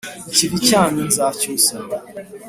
Ikivi cyanyu nzacyusa